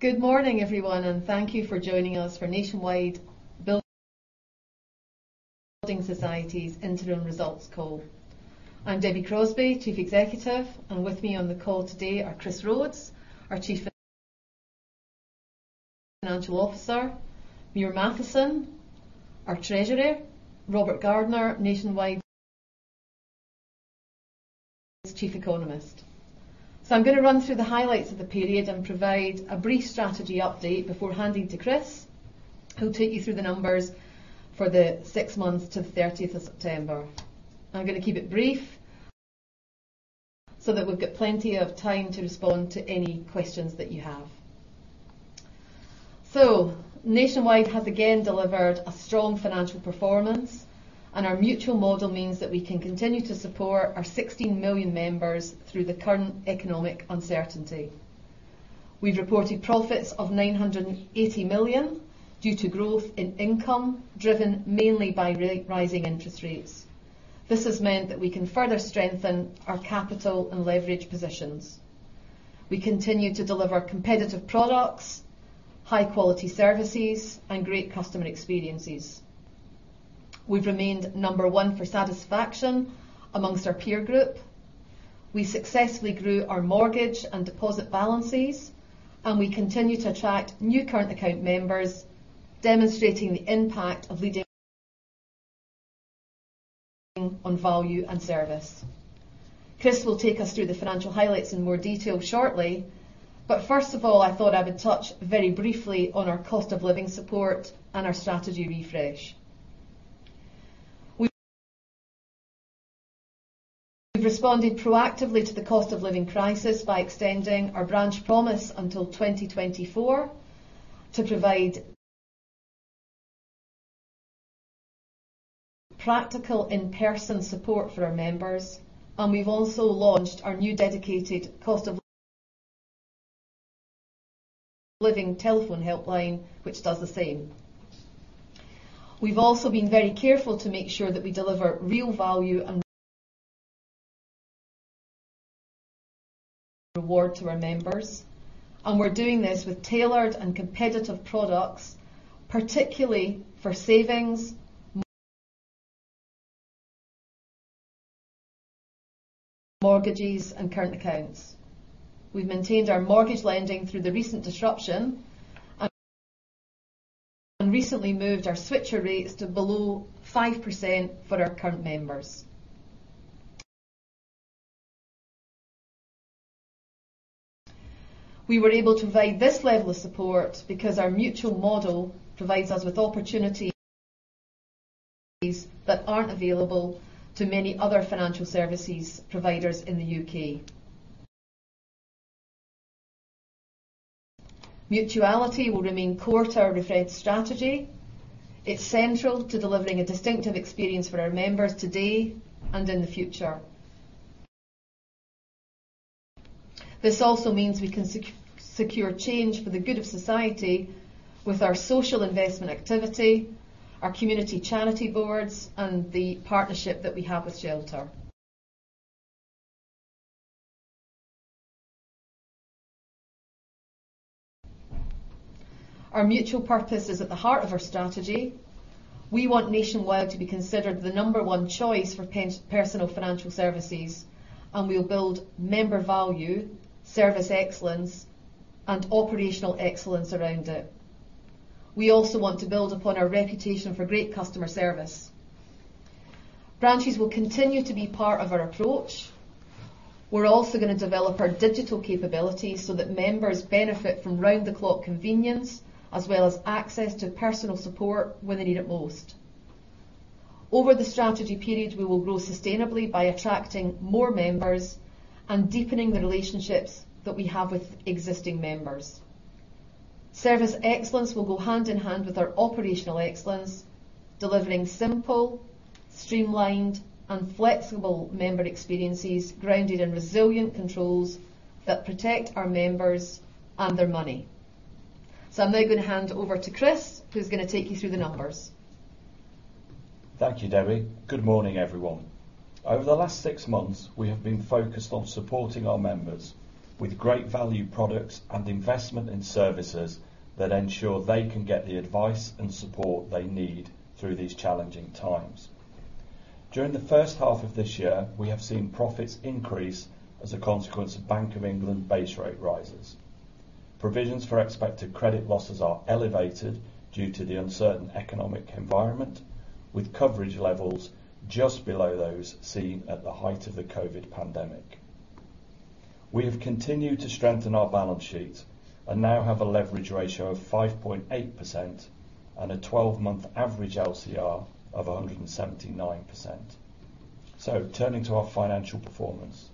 Good morning, everyone, and thank you for joining us for Nationwide Building Society's interim results call. I'm Debbie Crosbie, Chief Executive, and with me on the call today are Chris Rhodes, our Chief Financial Officer, Muir Mathieson, our Treasurer, Robert Gardner, Nationwide's Chief Economist.I'm gonna run through the highlights of the period and provide a brief strategy update before handing to Chris, who'll take you through the numbers for the six months to the 30th of September. I'm gonna keep it brief so that we've got plenty of time to respond to any questions that you have. Nationwide has again delivered a strong financial performance, and our mutual model means that we can continue to support our 16 million members through the current economic uncertainty. We've reported profits of 980 million due to growth in income, driven mainly by rising interest rates. This has meant that we can further strengthen our capital and leverage positions. We continue to deliver competitive products, high-quality services, and great customer experiences. We've remained number one for satisfaction amongst our peer group. We successfully grew our Mortgage and deposit balances, and we continue to attract new Current Account members, demonstrating the impact of leading on value and service. Chris will take us through the financial highlights in more detail shortly. First of all, I thought I would touch very briefly on our cost of living support and our strategy refresh. We've responded proactively to the cost of living crisis by extending our branch promise until 2024 to provide practical in-person support for our members, and we've also launched our new dedicated cost of living telephone helpline, which does the same. We've also been very careful to make sure that we deliver real value and reward to our members, and we're doing this with tailored and competitive products, particularly for Savings, Mortgages, and Current Accounts. We've maintained our Mortgage lending through the recent disruption and recently moved our switcher rates to below 5% for our current members. We were able to provide this level of support because our mutual model provides us with opportunities that aren't available to many other financial services providers in the U.K. Mutuality will remain core to our refreshed strategy. It's central to delivering a distinctive experience for our members today and in the future. This also means we can secure change for the good of society with our social investment activity, our community charity boards, and the partnership that we have with Shelter. Our mutual purpose is at the heart of our strategy. We want Nationwide to be considered the number one choice for personal financial services, and we'll build member value, service excellence, and operational excellence around it. We also want to build upon our reputation for great customer service. Branches will continue to be part of our approach. We're also gonna develop our digital capabilities so that members benefit from round-the-clock convenience, as well as access to personal support when they need it most. Over the strategy period, we will grow sustainably by attracting more members and deepening the relationships that we have with existing members. Service excellence will go hand in hand with our operational excellence, delivering simple, streamlined, and flexible member experiences, grounded in resilient controls that protect our members and their money. I'm now gonna hand over to Chris, who's gonna take you through the numbers. Thank you, Debbie. Good morning, everyone. Over the last six months, we have been focused on supporting our members with great value products and investment in services that ensure they can get the advice and support they need through these challenging times. During the first half of this year, we have seen profits increase as a consequence of Bank of England base rate rises. Provisions for expected credit losses are elevated due to the uncertain economic environment, with coverage levels just below those seen at the height of the COVID pandemic. We have continued to strengthen our balance sheet and now have a leverage ratio of 5.8% and a 12-month average LCR of 179%. Turning to our financial performance,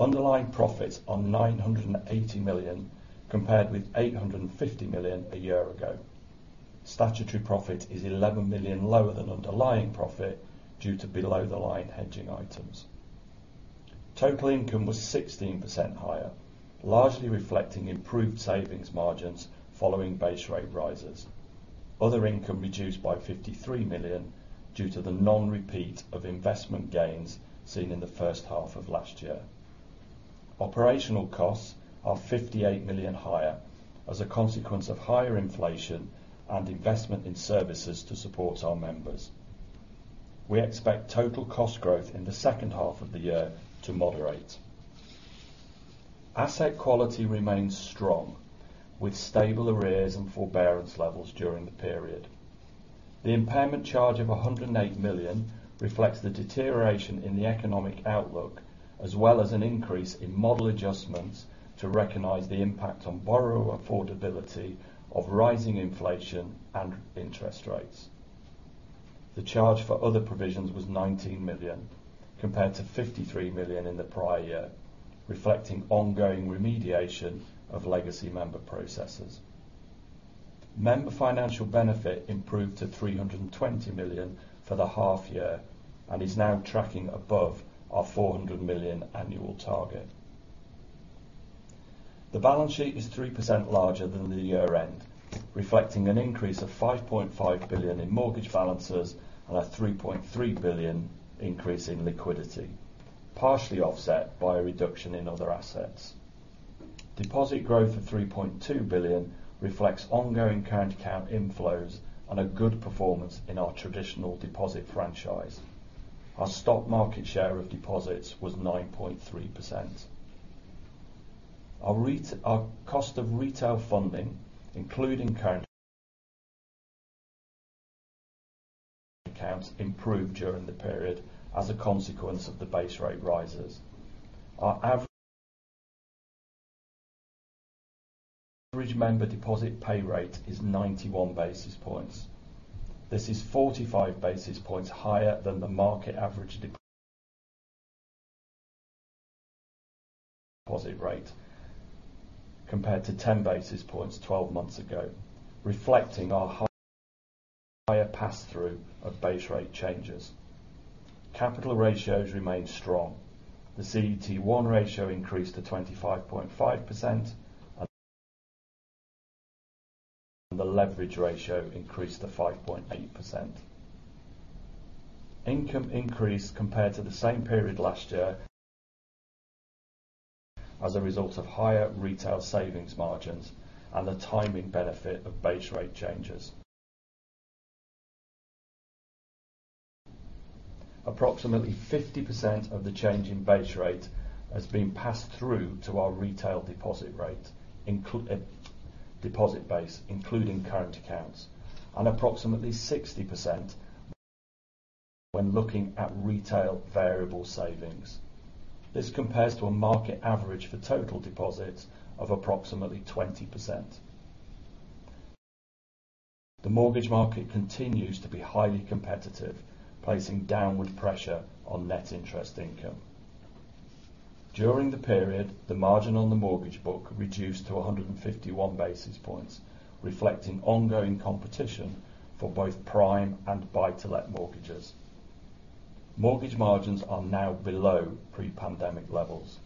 underlying profits are 980 million compared with 850 million a year ago. Statutory profit is 11 million lower than underlying profit due to below-the-line hedging items. Total income was 16% higher, largely reflecting improved savings margins following base rate rises. Other income reduced by 53 million due to the non-repeat of investment gains seen in the first half of last year. Operational costs are 58 million higher as a consequence of higher inflation and investment in services to support our members. We expect total cost growth in the second half of the year to moderate. Asset quality remains strong, with stable arrears and forbearance levels during the period. The impairment charge of 108 million reflects the deterioration in the economic outlook, as well as an increase in model adjustments to recognize the impact on borrower affordability of rising inflation and interest rates. The charge for other provisions was 19 million compared to 53 million in the prior year, reflecting ongoing remediation of legacy member processes. Member financial benefit improved to 320 million for the half year and is now tracking above our 400 million annual target. The balance sheet is 3% larger than the year-end, reflecting an increase of 5.5 billion in mortgage balances and a 3.3 billion increase in liquidity, partially offset by a reduction in other assets. Deposit growth of 3.2 billion reflects ongoing current account inflows and a good performance in our traditional deposit franchise. Our stock market share of deposits was 9.3%. Our cost of retail funding, including current accounts, improved during the period as a consequence of the base rate rises. Our average member deposit pay rate is 91 basis points. This is 45 basis points higher than the market average deposit rate compared to 10 basis points 12 months ago, reflecting our higher pass-through of base rate changes. Capital ratios remain strong. The CET1 ratio increased to 25.5% and the leverage ratio increased to 5.8%. Income increased compared to the same period last year as a result of higher retail savings margins and the timing benefit of base rate changes. Approximately 50% of the change in base rate has been passed through to our retail deposit base, including current accounts, and approximately 60% when looking at retail variable savings. This compares to a market average for total deposits of approximately 20%. The mortgage market continues to be highly competitive, placing downward pressure on net interest income. During the period, the margin on the mortgage book reduced to 151 basis points, reflecting ongoing competition for both prime and buy-to-let mortgages. Mortgage margins are now below pre-pandemic levels.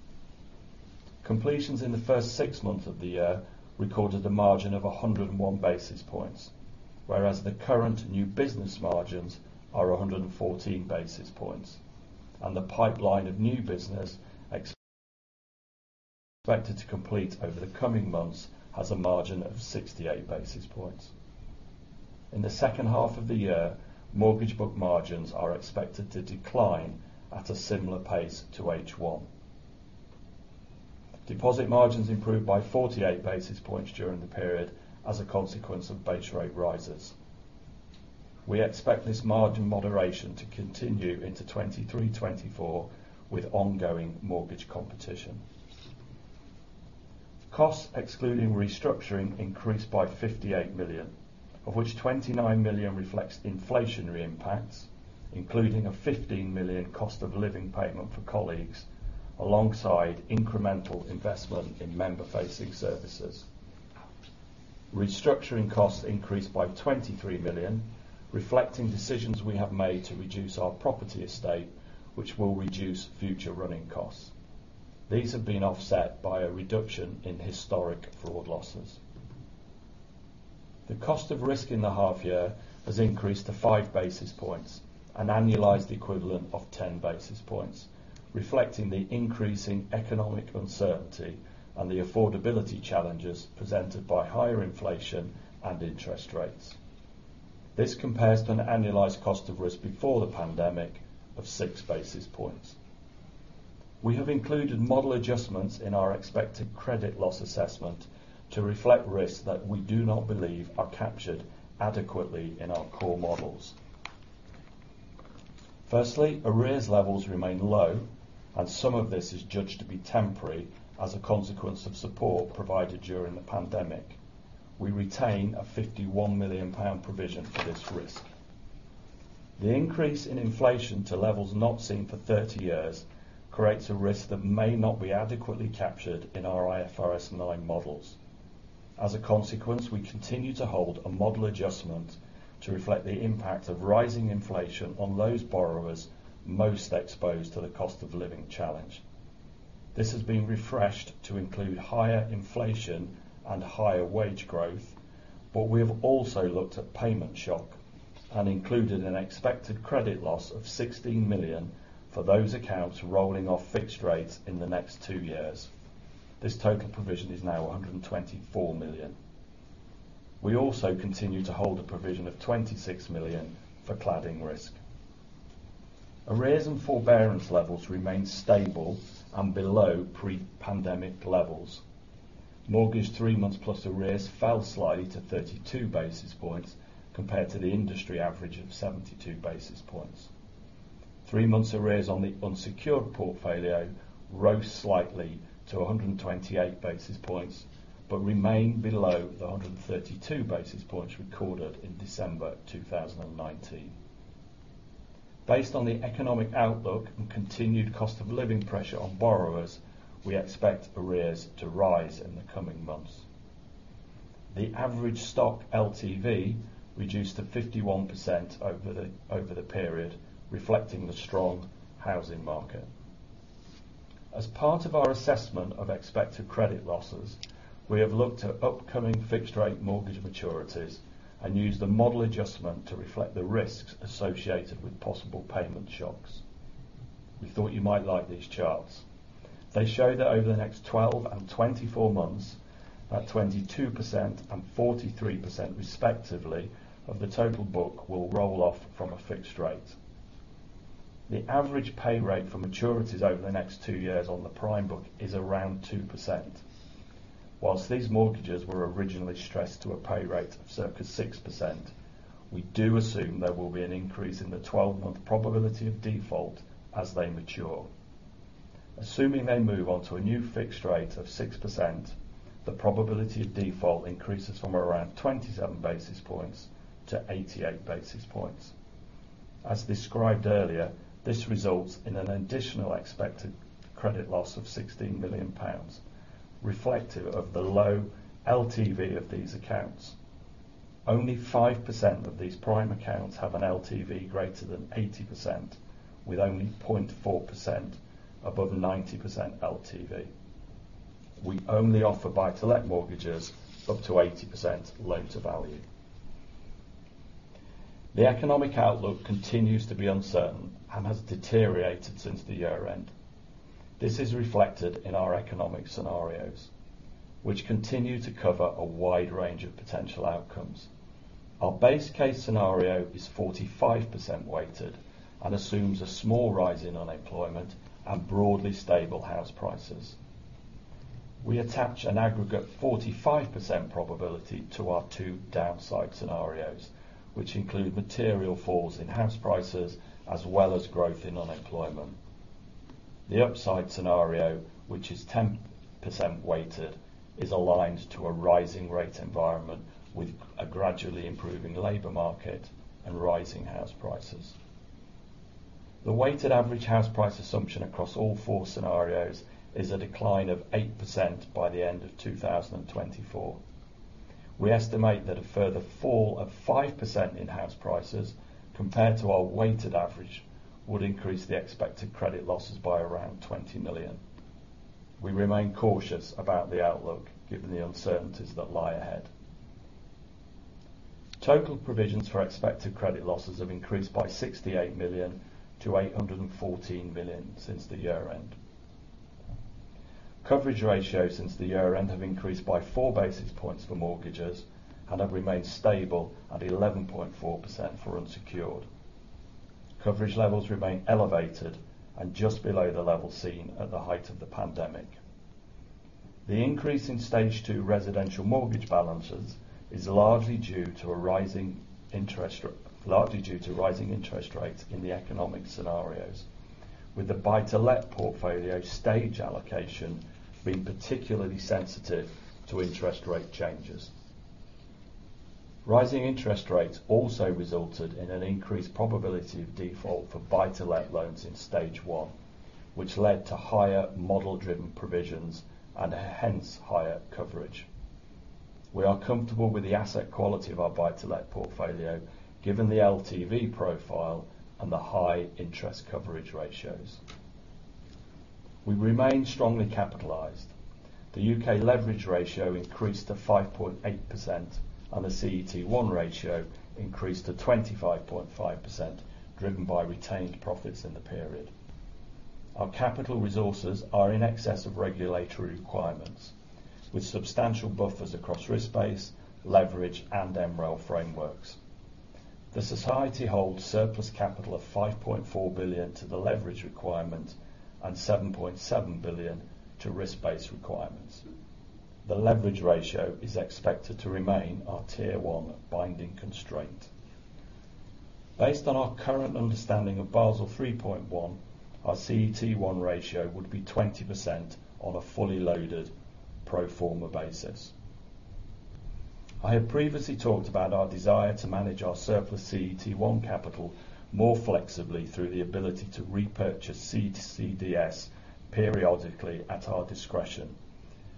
Completions in the first six months of the year recorded a margin of 101 basis points, whereas the current new business margins are 114 basis points, and the pipeline of new business expected to complete over the coming months has a margin of 68 basis points. In the second half of the year, mortgage book margins are expected to decline at a similar pace to H1. Deposit margins improved by 48 basis points during the period as a consequence of base rate rises. We expect this margin moderation to continue into 2023-2024 with ongoing mortgage competition. Costs excluding restructuring increased by 58 million, of which 29 million reflects inflationary impacts, including a 15 million cost of living payment for colleagues alongside incremental investment in member facing services. Restructuring costs increased by 23 million, reflecting decisions we have made to reduce our property estate, which will reduce future running costs. These have been offset by a reduction in historic fraud losses. The cost of risk in the half year has increased to 5 basis points, an annualized equivalent of 10 basis points, reflecting the increasing economic uncertainty and the affordability challenges presented by higher inflation and interest rates. This compares to an annualized cost of risk before the pandemic of 6 basis points. We have included model adjustments in our expected credit loss assessment to reflect risks that we do not believe are captured adequately in our core models. Firstly, arrears levels remain low, and some of this is judged to be temporary as a consequence of support provided during the pandemic. We retain a 51 million pound provision for this risk. The increase in inflation to levels not seen for 30 years creates a risk that may not be adequately captured in our IFRS 9 models. As a consequence, we continue to hold a model adjustment to reflect the impact of rising inflation on those borrowers most exposed to the cost of living challenge. This has been refreshed to include higher inflation and higher wage growth, but we have also looked at payment shock and included an expected credit loss of 16 million for those accounts rolling off fixed rates in the next two years. This total provision is now 124 million. We also continue to hold a provision of 26 million for cladding risk. Arrears and forbearance levels remain stable and below pre-pandemic levels. Mortgage three months plus arrears fell slightly to 32 basis points compared to the industry average of 72 basis points. Three months arrears on the unsecured portfolio rose slightly to 128 basis points, but remain below the 132 basis points recorded in December 2019. Based on the economic outlook and continued cost of living pressure on borrowers, we expect arrears to rise in the coming months. The average stock LTV reduced to 51% over the period, reflecting the strong housing market. As part of our assessment of expected credit losses, we have looked at upcoming fixed rate mortgage maturities and used a model adjustment to reflect the risks associated with possible payment shocks. We thought you might like these charts. They show that over the next 12 and 24 months, that 22% and 43% respectively of the total book will roll off from a fixed rate. The average pay rate for maturities over the next two years on the prime book is around 2%. Whilst these mortgages were originally stressed to a pay rate of circa 6%, we do assume there will be an increase in the 12-month probability of default as they mature. Assuming they move on to a new fixed rate of 6%, the probability of default increases from around 27 basis points to 88 basis points. As described earlier, this results in an additional expected credit loss of 60 million pounds reflective of the low LTV of these accounts. Only 5% of these prime accounts have an LTV greater than 80%, with only 0.4% above 90% LTV. We only offer buy-to-let mortgages up to 80% loan-to-value. The economic outlook continues to be uncertain and has deteriorated since the year-end. This is reflected in our economic scenarios, which continue to cover a wide range of potential outcomes. Our base case scenario is 45% weighted and assumes a small rise in unemployment and broadly stable house prices. We attach an aggregate 45% probability to our two downside scenarios, which include material falls in house prices as well as growth in unemployment. The upside scenario, which is 10% weighted, is aligned to a rising rate environment with a gradually improving labor market and rising house prices. The weighted average house price assumption across all four scenarios is a decline of 8% by the end of 2024. We estimate that a further fall of 5% in house prices compared to our weighted average would increase the expected credit losses by around 20 million. We remain cautious about the outlook given the uncertainties that lie ahead. Total provisions for expected credit losses have increased by 68 million to 814 million since the year-end. Coverage ratios since the year-end have increased by four basis points for mortgages and have remained stable at 11.4% for unsecured. Coverage levels remain elevated and just below the level seen at the height of the pandemic. The increase in Stage two residential mortgage balances is largely due to rising interest rates in the economic scenarios, with the buy-to-let portfolio stage allocation being particularly sensitive to interest rate changes. Rising interest rates also resulted in an increased probability of default for buy-to-let loans in Stage One, which led to higher model-driven provisions and hence higher coverage. We are comfortable with the asset quality of our buy-to-let portfolio, given the LTV profile and the high interest coverage ratios. We remain strongly capitalized. The U.K. leverage ratio increased to 5.8% and the CET1 ratio increased to 25.5%, driven by retained profits in the period. Our capital resources are in excess of regulatory requirements with substantial buffers across risk-based, leverage, and MREL frameworks. The Society holds surplus capital of 5.4 billion to the leverage requirement and 7.7 billion to risk-based requirements. The leverage ratio is expected to remain our Tier 1 binding constraint. Based on our current understanding of Basel 3.1, our CET1 ratio would be 20% on a fully loaded pro forma basis. I have previously talked about our desire to manage our surplus CET1 capital more flexibly through the ability to repurchase CCDS periodically at our discretion.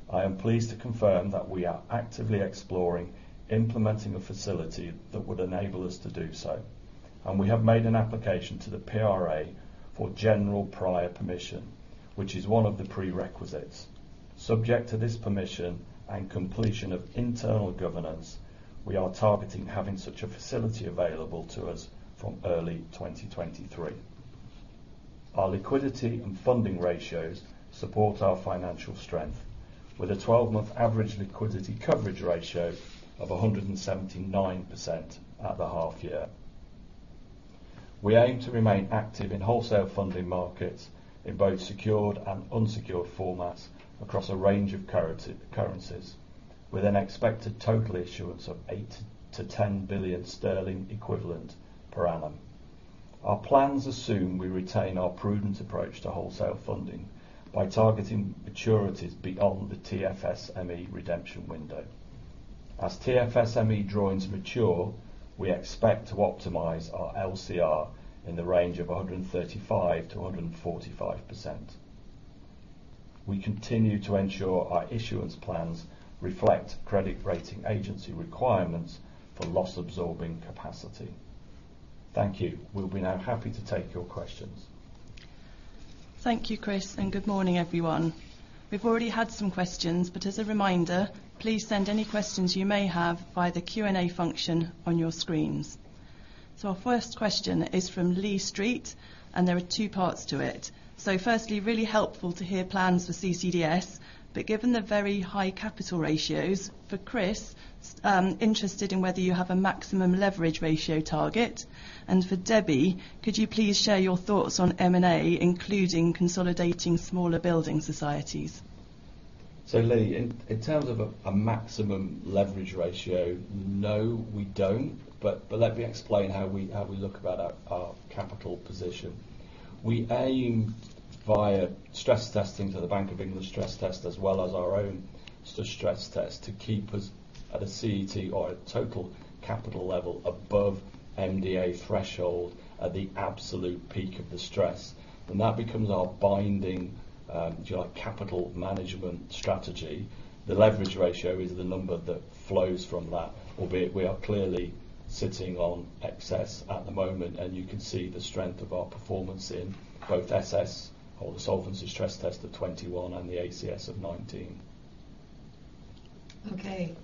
I am pleased to confirm that we are actively exploring implementing a facility that would enable us to do so, and we have made an application to the PRA for general prior permission, which is one of the prerequisites. Subject to this permission and completion of internal governance, we are targeting having such a facility available to us from early 2023. Our liquidity and funding ratios support our financial strength with a 12-month average liquidity coverage ratio of 179% at the half year. We aim to remain active in wholesale funding markets in both secured and unsecured formats across a range of currencies, with an expected total issuance of 8 billion-10 billion sterling equivalent per annum. Our plans assume we retain our prudent approach to wholesale funding by targeting maturities beyond the TFSME redemption window. As TFSME drawings mature, we expect to optimize our LCR in the range of 135%-145%. We continue to ensure our issuance plans reflect credit rating agency requirements for loss absorbing capacity. Thank you. We'll be now happy to take your questions. Thank you, Chris, and good morning, everyone. We've already had some questions, but as a reminder, please send any questions you may have via the Q&A function on your screens. Our first question is from Leigh Street, and there are two parts to it. Firstly, really helpful to hear plans for CCDS, but given the very high capital ratios, for Chris, interested in whether you have a maximum leverage ratio target. For Debbie, could you please share your thoughts on M&A, including consolidating smaller building societies? Lee, in terms of a maximum leverage ratio, no, we don't. Let me explain how we look about our capital position. We aim via stress testing to the Bank of England stress test as well as our own stress test to keep us at a CET or a total capital level above MDA threshold at the absolute peak of the stress. That becomes our binding capital management strategy. The leverage ratio is the number that flows from that, albeit we are clearly sitting on excess at the moment, and you can see the strength of our performance in both SST or the solvency stress test of 2021 and the ACS of 2019.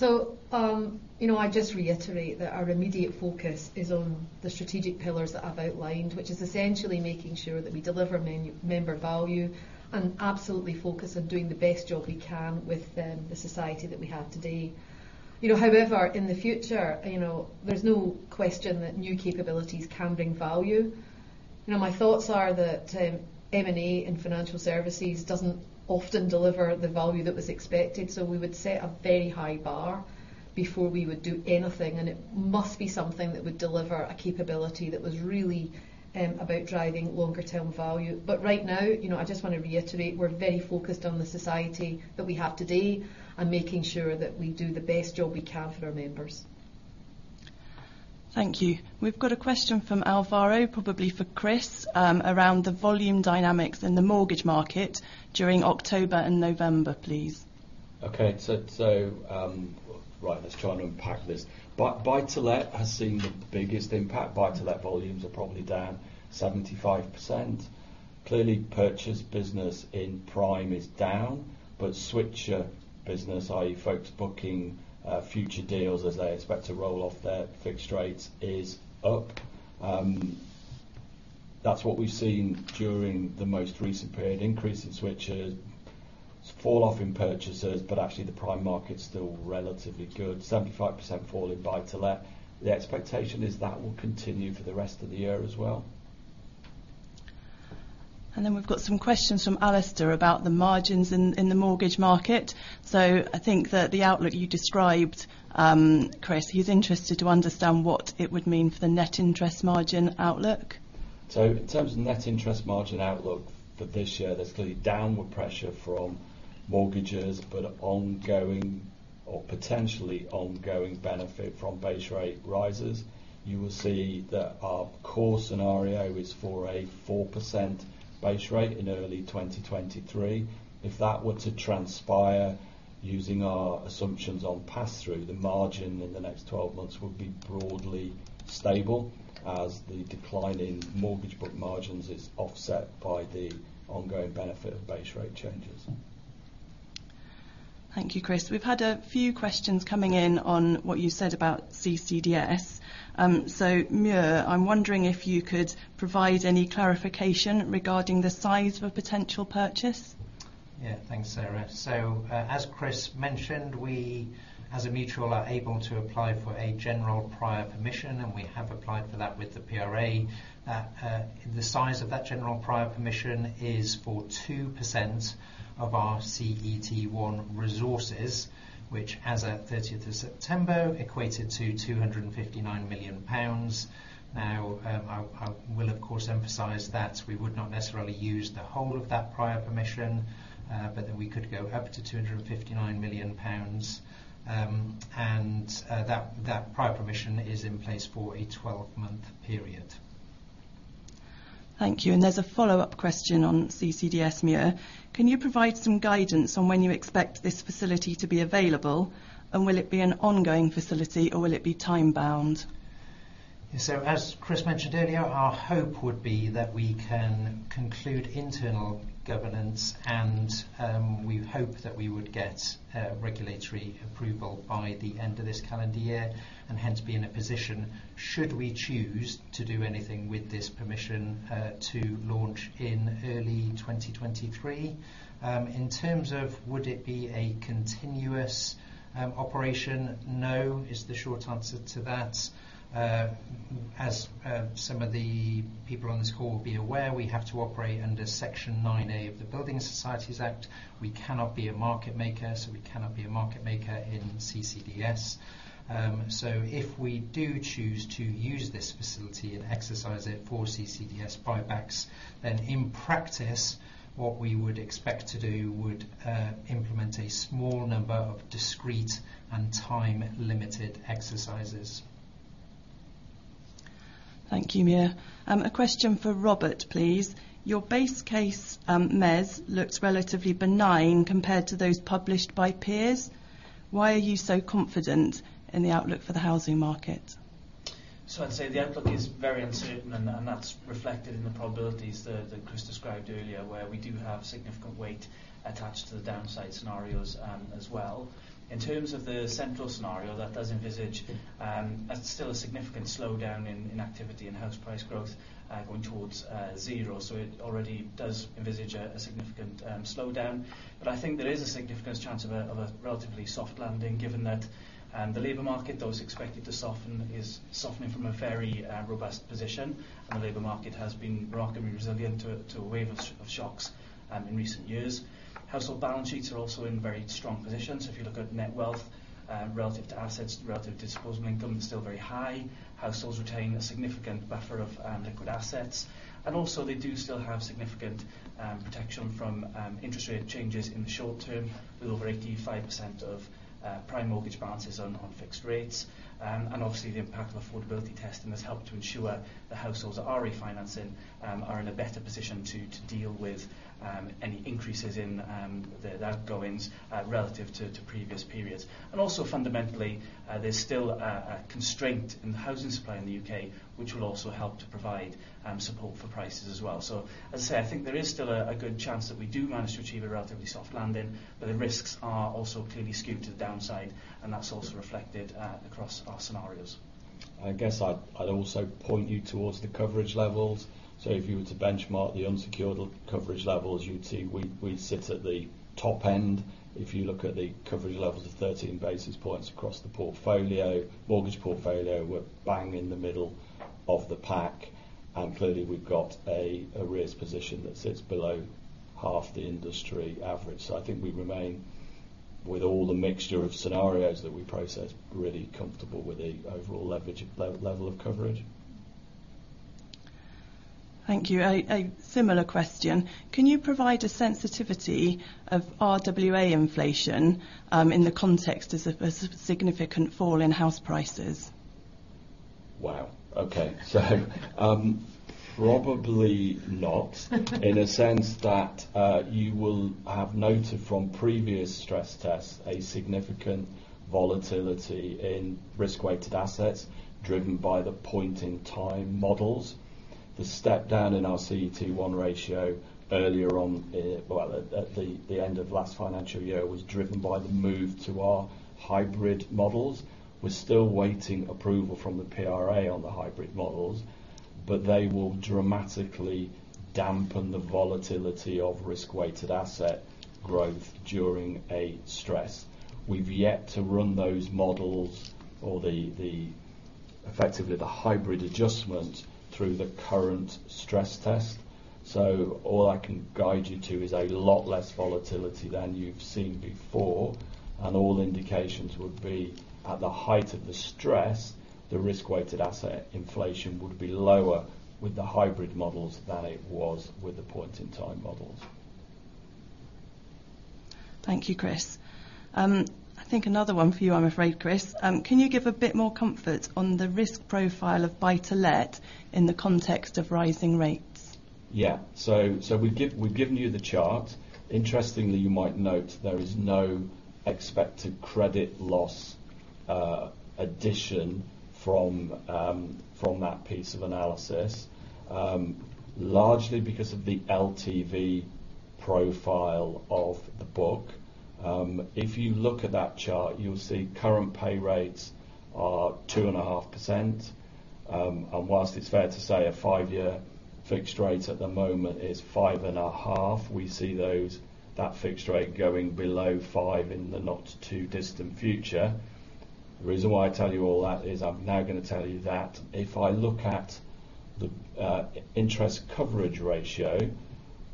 Okay. You know, I'd just reiterate that our immediate focus is on the strategic pillars that I've outlined, which is essentially making sure that we deliver member value and absolutely focus on doing the best job we can with the society that we have today. You know, however, in the future, you know, there's no question that new capabilities can bring value. You know, my thoughts are that M&A in financial services doesn't often deliver the value that was expected, so we would set a very high bar before we would do anything, and it must be something that would deliver a capability that was really about driving longer-term value. Right now, you know, I just want to reiterate, we're very focused on the society that we have today and making sure that we do the best job we can for our members. Thank you. We've got a question from Alvaro, probably for Chris, around the volume dynamics in the mortgage market during October and November, please. Okay. Right, let's try and unpack this. Buy-to-let has seen the biggest impact. Buy-to-let volumes are probably down 75%. Clearly, purchase business in prime is down, but switcher business, i.e. folks booking future deals as they expect to roll off their fixed rates, is up. That's what we've seen during the most recent period, increase in switchers, fall off in purchases, but actually the prime market's still relatively good. 75% fall in buy-to-let. The expectation is that will continue for the rest of the year as well. We've got some questions from Alastair about the margins in the mortgage market. I think that the outlook you described, Chris, he's interested to understand what it would mean for the net interest margin outlook. In terms of net interest margin outlook for this year, there's clearly downward pressure from mortgages, but ongoing or potentially ongoing benefit from base rate rises. You will see that our core scenario is for a 4% base rate in early 2023. If that were to transpire using our assumptions on pass-through, the margin in the next 12 months would be broadly stable as the decline in mortgage book margins is offset by the ongoing benefit of base rate changes. Thank you, Chris. We've had a few questions coming in on what you said about CCDS. Muir, I'm wondering if you could provide any clarification regarding the size of a potential purchase. Yeah. Thanks, Sarah. As Chris mentioned, we as a mutual are able to apply for a general prior permission, and we have applied for that with the PRA. The size of that general prior permission is for 2% of our CET1 resources, which as at 30th of September equated to 259 million pounds. Now, I will of course emphasize that we would not necessarily use the whole of that prior permission, but that we could go up to 259 million pounds. That prior permission is in place for a 12-month period. Thank you. There's a follow-up question on CCDS, Muir. Can you provide some guidance on when you expect this facility to be available, and will it be an ongoing facility or will it be time-bound? As Chris mentioned earlier, our hope would be that we can conclude internal governance and we hope that we would get regulatory approval by the end of this calendar year, and hence be in a position, should we choose to do anything with this permission, to launch in early 2023. In terms of would it be a continuous operation? No is the short answer to that. As some of the people on this call will be aware, we have to operate under Section 9A of the Building Societies Act. We cannot be a market maker, so we cannot be a market maker in CCDS. If we do choose to use this facility and exercise it for CCDS buybacks, then in practice, what we would expect to do would implement a small number of discrete and time-limited exercises. Thank you, Muir. A question for Robert, please. Your base case MES looks relatively benign compared to those published by peers. Why are you so confident in the outlook for the housing market? I'd say the outlook is very uncertain and that's reflected in the probabilities that Chris described earlier, where we do have significant weight attached to the downside scenarios as well. In terms of the central scenario, that does envisage still a significant slowdown in activity and house price growth going towards zero. It already does envisage a significant slowdown. I think there is a significant chance of a relatively soft landing given that the labor market, though it's expected to soften, is softening from a very robust position. The labor market has been remarkably resilient to a wave of shocks in recent years. Household balance sheets are also in very strong position. If you look at net wealth relative to assets, relative disposable income is still very high. Households retain a significant buffer of liquid assets. They do still have significant protection from interest rate changes in the short term, with over 85% of prime mortgage balances on fixed rates. Obviously the impact of affordability testing has helped to ensure the households that are refinancing are in a better position to deal with any increases in their outgoings relative to previous periods. Fundamentally, there's still a constraint in the housing supply in the U.K., which will also help to provide support for prices as well. As I say, I think there is still a good chance that we do manage to achieve a relatively soft landing, but the risks are also clearly skewed to the downside, and that's also reflected across our scenarios. I guess I'd also point you towards the coverage levels. If you were to benchmark the unsecured coverage levels, you'd see we sit at the top end. If you look at the coverage levels of 13 basis points across the portfolio, mortgage portfolio, we're bang in the middle of the pack, and clearly we've got a risk position that sits below half the industry average. I think we remain, with all the mixture of scenarios that we process, really comfortable with the overall level of coverage. Thank you. A similar question. Can you provide a sensitivity of RWA inflation in the context of a significant fall in house prices? Wow. Okay. Probably not. In a sense that you will have noted from previous stress tests a significant volatility in risk-weighted assets driven by the point-in-time models. The step down in our CET1 ratio earlier on, well, at the end of last financial year was driven by the move to our hybrid models. We're still waiting approval from the PRA on the hybrid models, but they will dramatically dampen the volatility of risk-weighted asset growth during a stress. We've yet to run those models or the effectively the hybrid adjustment through the current stress test. All I can guide you to is a lot less volatility than you've seen before, and all indications would be at the height of the stress, the risk-weighted asset inflation would be lower with the hybrid models than it was with the point-in-time models. Thank you, Chris. I think another one for you, I'm afraid, Chris. Can you give a bit more comfort on the risk profile of Buy to Let in the context of rising rates? Yeah. We've given you the chart. Interestingly, you might note there is no expected credit loss addition from that piece of analysis. Largely because of the LTV profile of the book. If you look at that chart, you'll see current pay rates are 2.5%. Whilst it's fair to say a five-year fixed rate at the moment is 5.5%, we see that fixed rate going below 5% in the not too distant future. The reason why I tell you all that is I'm now gonna tell you that if I look at the interest coverage ratio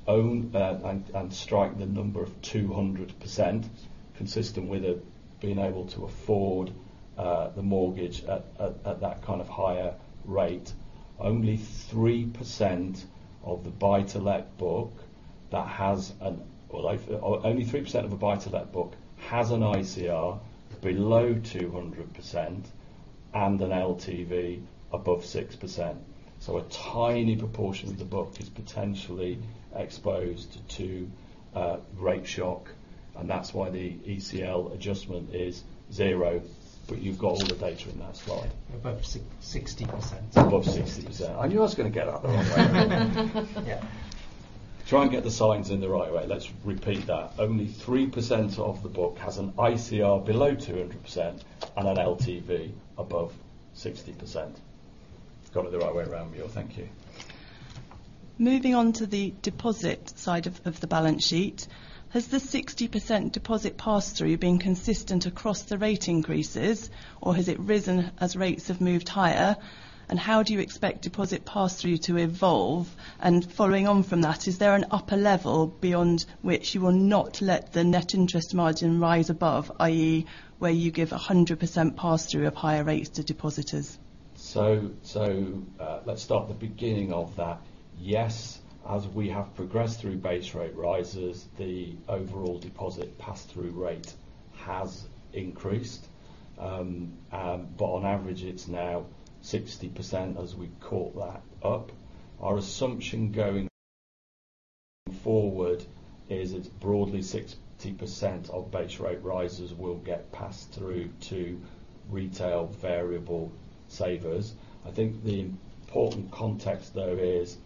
alone and strike the number of 200% consistent with being able to afford the mortgage at that kind of higher rate, well, only 3% of the Buy to Let book has an ICR below 200% and an LTV above 60%. A tiny proportion of the book is potentially exposed to rate shock, and that's why the ECL adjustment is 0. You've got all the data in that slide. Above 60%. Above 60%. I knew I was gonna get that the wrong way around. Yeah. Try and get the signs in the right way. Let's repeat that. Only 3% of the book has an ICR below 200% and an LTV above 60%. Got it the right way around, Muir. Thank you. Moving on to the deposit side of the balance sheet. Has the 60% deposit pass-through been consistent across the rate increases, or has it risen as rates have moved higher? How do you expect deposit pass-through to evolve? Following on from that, is there an upper level beyond which you will not let the net interest margin rise above, i.e., where you give 100% pass-through of higher rates to depositors? Let's start at the beginning of that. Yes, as we have progressed through base rate rises, the overall deposit pass-through rate has increased. On average, it's now 60% as we caught that up. Our assumption going forward is it's broadly 60% of base rate rises will get passed through to retail variable savers. I think the important context, though, is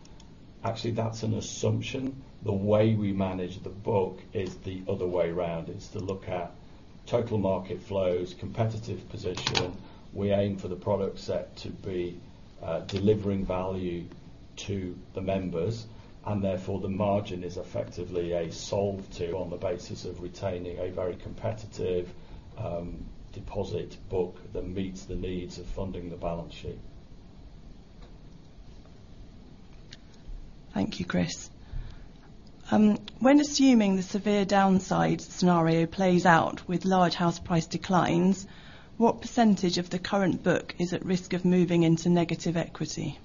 actually that's an assumption. The way we manage the book is the other way around. It's to look at total market flows, competitive position. We aim for the product set to be delivering value to the members, and therefore, the margin is effectively a solve to on the basis of retaining a very competitive deposit book that meets the needs of funding the balance sheet. Thank you, Chris. When assuming the severe downside scenario plays out with large house price declines, what % of the current book is at risk of moving into negative equity?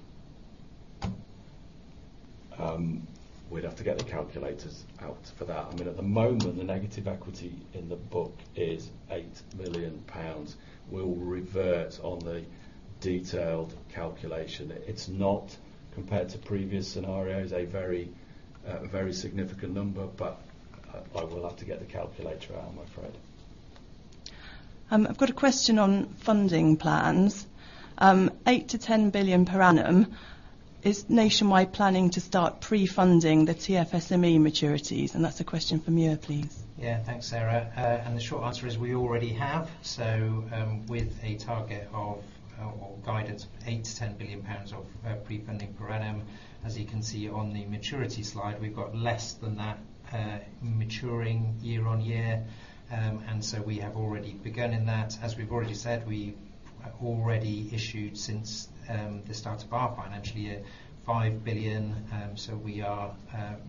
We'd have to get the calculators out for that. I mean, at the moment, the negative equity in the book is 8 million pounds. We'll revert on the detailed calculation. It's not, compared to previous scenarios, a very significant number, but I will have to get the calculator out, I'm afraid. I've got a question on funding plans. 8 billion-10 billion per annum, is Nationwide planning to start pre-funding the TFSME maturities? That's a question for Muir, please. Yeah. Thanks, Sarah. The short answer is we already have. With a target of, or guidance of 8 billion-10 billion pounds of pre-funding per annum, as you can see on the maturity slide, we've got less than that maturing year-on-year. We have already begun in that. As we've already said, we've already issued since the start of our financial year, 5 billion. We are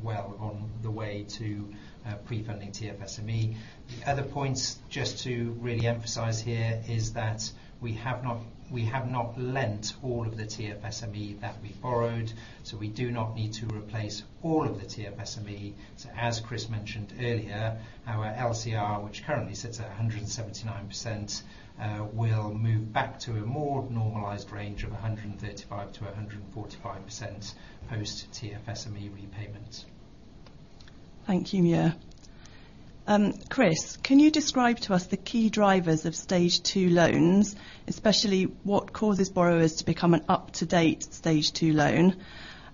well on the way to pre-funding TFSME. The other points just to really emphasize here is that we have not lent all of the TFSME that we borrowed, so we do not need to replace all of the TFSME. As Chris mentioned earlier, our LCR, which currently sits at 179%, will move back to a more normalized range of 135%-145% post TFSME repayment. Thank you, Muir. Um, Chris, can you describe to us the key drivers of stage two loans, especially what causes borrowers to become an up-to-date stage two loan,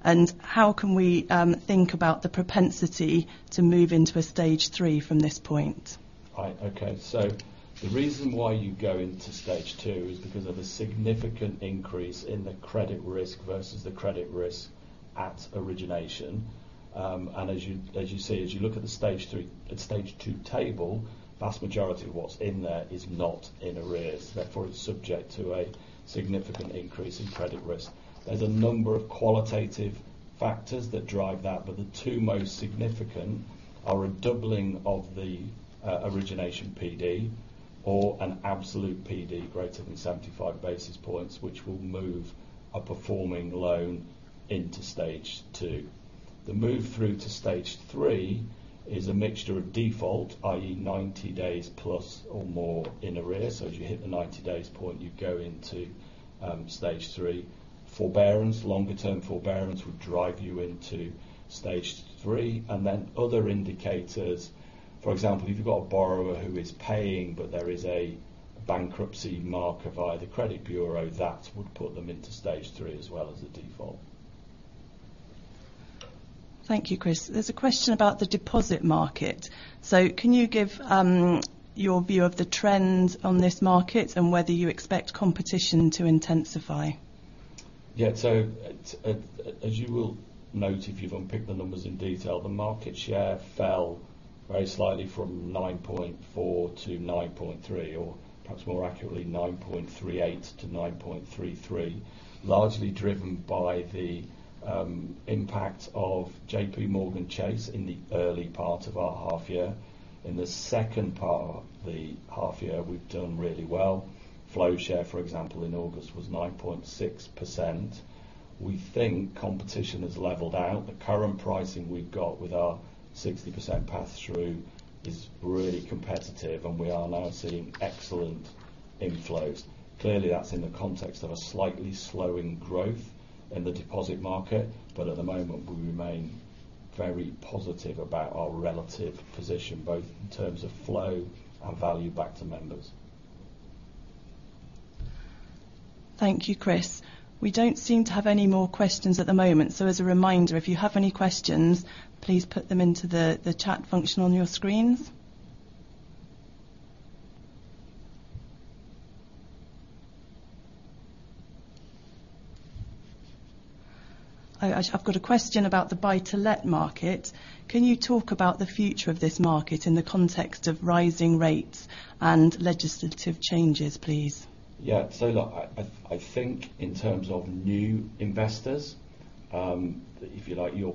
and how can we, um, think about the propensity to move into a stage three from this point? All right. Okay. The reason why you go into stage two is because of a significant increase in the credit risk versus the credit risk at origination. As you look at the stage two table, vast majority of what's in there is not in arrears. Therefore, it's subject to a significant increase in credit risk. There's a number of qualitative factors that drive that, but the two most significant are a doubling of the origination P.D. or an absolute P.D. greater than 75 basis points, which will move a performing loan into stage two. The move through to stage three is a mixture of default, i.e., 90 days plus or more in arrears. As you hit the 90 days point, you go into stage three. Forbearance, longer-term forbearance would drive you into stage three. Other indicators, for example, if you've got a borrower who is paying, but there is a bankruptcy mark via the credit bureau, that would put them into Stage 3 as well as a default. Thank you, Chris. There's a question about the deposit market. Can you give your view of the trends on this market and whether you expect competition to intensify? Yeah. As you will note, if you've unpicked the numbers in detail, the market share fell very slightly from 9.4%-9.3%, or perhaps more accurately, 9.38%-9.33%. Largely driven by the impact of JPMorgan Chase in the early part of our half year. In the second part of the half year, we've done really well. Flow share, for example, in August was 9.6%. We think competition has leveled out. The current pricing we've got with our 60% pass-through is really competitive, and we are now seeing excellent inflows. Clearly, that's in the context of a slightly slowing growth in the deposit market. At the moment, we remain very positive about our relative position, both in terms of flow and value back to members. Thank you, Chris. We don't seem to have any more questions at the moment. As a reminder, if you have any questions, please put them into the chat function on your screens. I've got a question about the buy-to-let market. Can you talk about the future of this market in the context of rising rates and legislative changes, please? Yeah. Look, I think in terms of new investors, if you like, your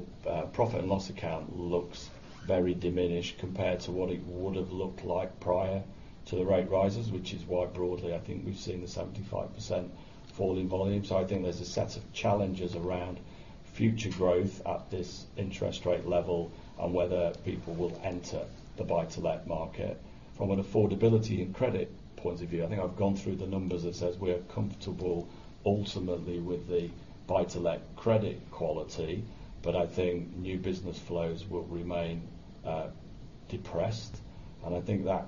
profit and loss account looks very diminished compared to what it would have looked like prior to the rate rises, which is why broadly, I think we've seen a 75% fall in volume. I think there's a set of challenges around future growth at this interest rate level on whether people will enter the buy-to-let market. From an affordability and credit point of view, I think I've gone through the numbers that says we're comfortable ultimately with the buy-to-let credit quality, but I think new business flows will remain depressed. I think that,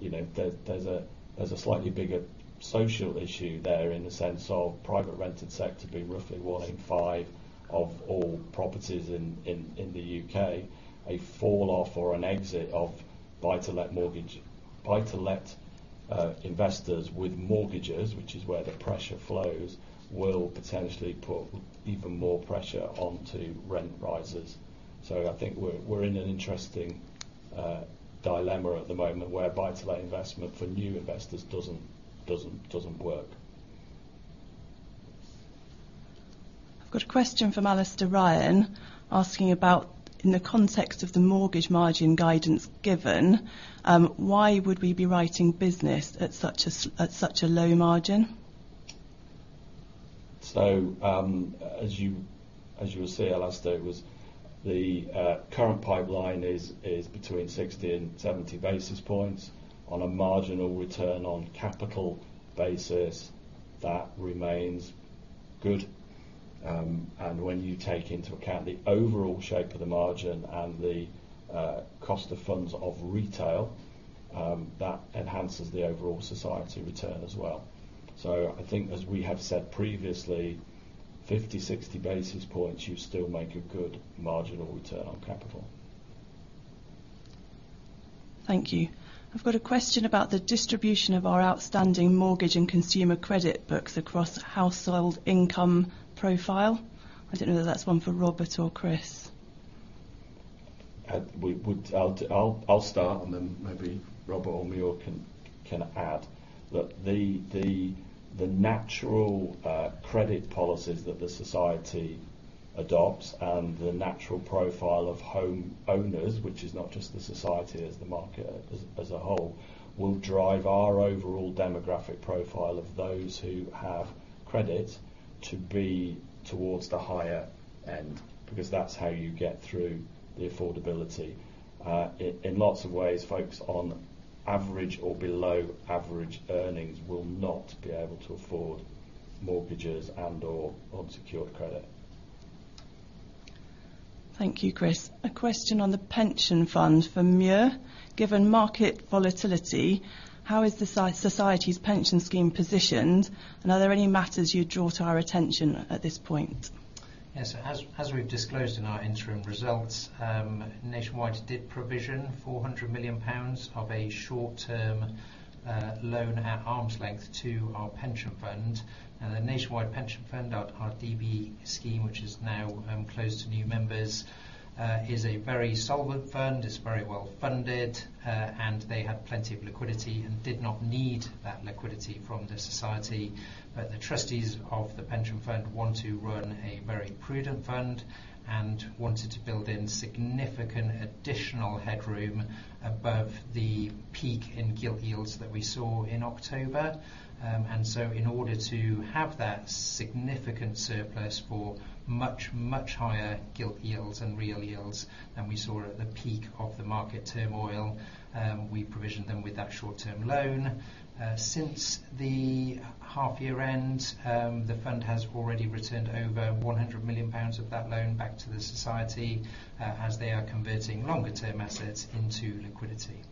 you know, there's a slightly bigger social issue there in the sense of private rented sector being roughly one in five of all properties in the U.K. A falloff or an exit of buy-to-let investors with mortgages, which is where the pressure flows, will potentially put even more pressure onto rent rises. I think we're in an interesting dilemma at the moment where buy-to-let investment for new investors doesn't work. I've got a question from Alastair Ryan asking about, in the context of the Mortgage margin guidance given, why would we be writing business at such a low margin? As you will see, Alastair, current pipeline is between 60 and 70 basis points on a marginal return on capital basis that remains good. When you take into account the overall shape of the margin and the cost of funds of retail, that enhances the overall society return as well. I think as we have said previously, 50, 60 basis points, you still make a good marginal return on capital. Thank you. I've got a question about the distribution of our outstanding mortgage and consumer credit books across household income profile. I don't know whether that's one for Robert or Chris. I'll start, and then maybe Robert or Muir can add. Look, the natural credit policies that the Society adopts and the natural profile of homeowners, which is not just the Society as the market as a whole, will drive our overall demographic profile of those who have credit to be towards the higher end, because that's how you get through the affordability. In lots of ways, folks on average or below average earnings will not be able to afford Mortgages and/or unsecured credit. Thank you, Chris. A question on the pension fund for Muir. Given market volatility, how is the Society's pension scheme positioned, and are there any matters you'd draw to our attention at this point? Yes. As we've disclosed in our interim results, Nationwide did provision 400 million pounds of a short-term loan at arm's length to our pension fund. Now, the Nationwide pension fund, our DB scheme, which is now closed to new members, is a very solvent fund. It's very well-funded, and they have plenty of liquidity and did not need that liquidity from the society. The trustees of the pension fund want to run a very prudent fund and wanted to build in significant additional headroom above the peak in gilt yields that we saw in October. In order to have that significant surplus for much higher gilt yields and real yields than we saw at the peak of the market turmoil, we provisioned them with that short-term loan. Since the half-year end, the fund has already returned over 100 million pounds of that loan back to the Society, as they are converting longer-term assets into liquidity.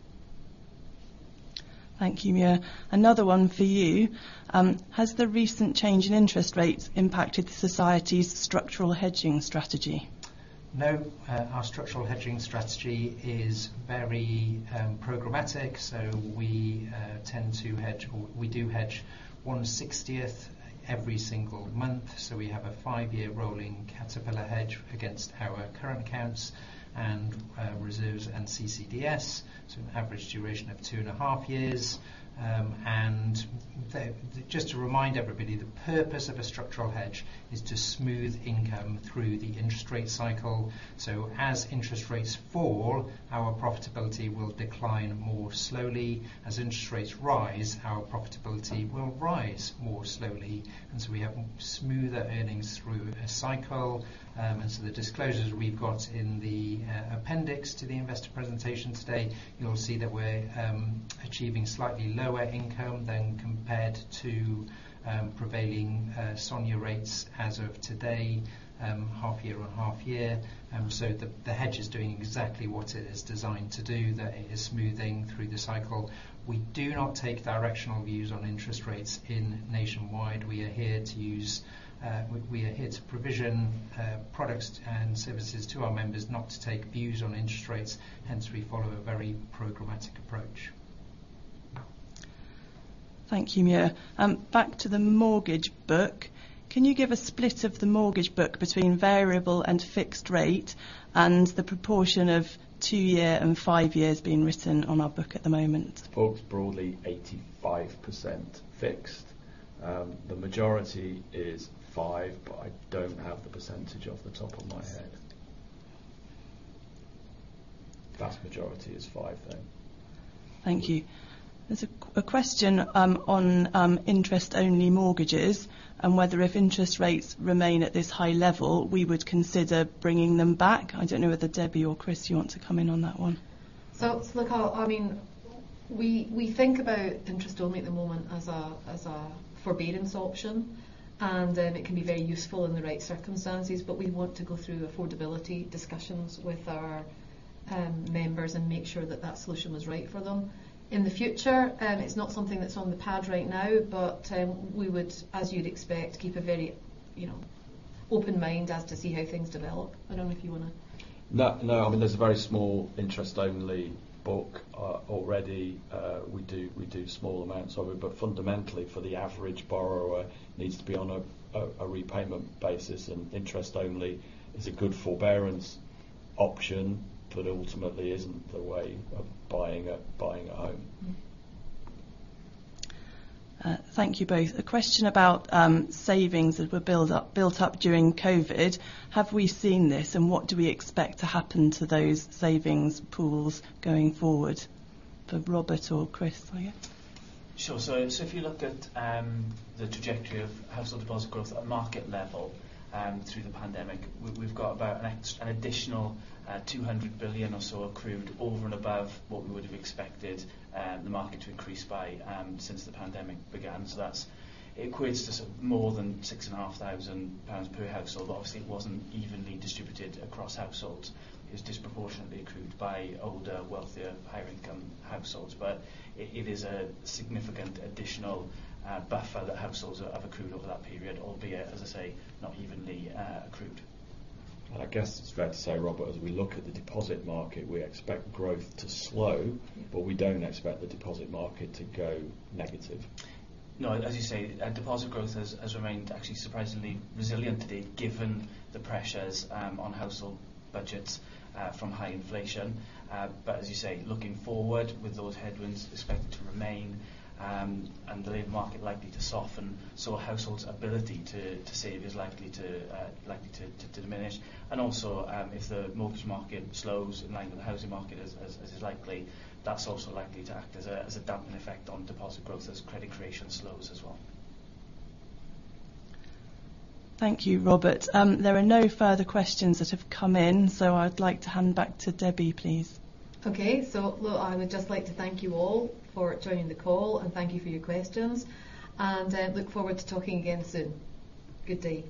Thank you, Muir. Another one for you. Has the recent change in interest rates impacted the Society's structural hedging strategy? No. Our structural hedging strategy is very programmatic, so we tend to hedge or we do hedge 1/60 every single month. We have a five-year rolling caterpillar hedge against our current accounts and reserves and CCDS, so an average duration of two and a half years. Just to remind everybody, the purpose of a structural hedge is to smooth income through the interest rate cycle. As interest rates fall, our profitability will decline more slowly. As interest rates rise, our profitability will rise more slowly, and so we have smoother earnings through a cycle. The disclosures we've got in the appendix to the investor presentation today, you'll see that we're achieving slightly lower income than compared to prevailing SONIA rates as of today, half-year-on-half-year. The hedge is doing exactly what it is designed to do, that it is smoothing through the cycle. We do not take directional views on interest rates in Nationwide. We are here to provision products and services to our members, not to take views on interest rates, hence we follow a very programmatic approach. Thank you, Muir. Back to the mortgage book, can you give a split of the mortgage book between variable and fixed rate, and the proportion of two year and five years being written on our book at the moment? Book's broadly 85% fixed. The majority is five, but I don't have the percentage off the top of my head. Vast majority is five though. Thank you. There's a Q&A question on interest-only mortgages and whether if interest rates remain at this high level, we would consider bringing them back. I don't know whether Debbie or Chris, you want to come in on that one. Look, I mean, we think about interest-only at the moment as a forbearance option, and it can be very useful in the right circumstances. We want to go through affordability discussions with our members and make sure that that solution was right for them. In the future, it's not something that's on the pad right now, but we would, as you'd expect, keep a very, you know, open mind as to see how things develop. I don't know if you want to. No, no. I mean, there's a very small interest-only book already. We do small amounts of it, but fundamentally for the average borrower needs to be on a repayment basis, and interest-only is a good forbearance option, but ultimately isn't the way of buying a home. Thank you both. A question about savings that were built up during COVID. Have we seen this, and what do we expect to happen to those savings pools going forward? For Robert or Chris, oh yeah. Sure. If you looked at the trajectory of household deposit growth at market level through the pandemic, we've got about an additional 200 billion or so accrued over and above what we would've expected the market to increase by since the pandemic began. That's equates to sort of more than six and a half thousand pounds per household. Obviously, it wasn't evenly distributed across households. It was disproportionately accrued by older, wealthier, higher income households. It is a significant additional buffer that households have accrued over that period, albeit, as I say, not evenly accrued. I guess it's fair to say, Robert, as we look at the deposit market, we expect growth to slow. Mm-hmm. We don't expect the deposit market to go negative. No. As you say, deposit growth has remained actually surprisingly resilient to date, given the pressures on household budgets from high inflation. As you say, looking forward with those headwinds expected to remain and the labor market likely to soften, so households' ability to save is likely to diminish. Also, if the mortgage market slows in line with the housing market as is likely, that's also likely to act as a damping effect on deposit growth as credit creation slows as well. Thank you, Robert. There are no further questions that have come in, so I'd like to hand back to Debbie, please. Okay. Look, I would just like to thank you all for joining the call, and thank you for your questions, and look forward to talking again soon. Good day.